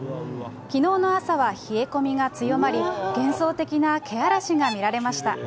きのうの朝は冷え込みが強まり、幻想的なけあらしが見られました。